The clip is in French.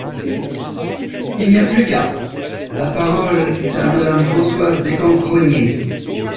Il n’y a plus qu’à ! La parole est à Madame Françoise Descamps-Crosnier.